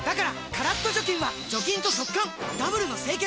カラッと除菌は除菌と速乾ダブルの清潔！